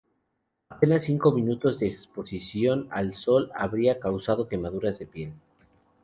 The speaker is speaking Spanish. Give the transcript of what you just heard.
Apenas cinco minutos de exposición al Sol habría causado quemaduras a la piel.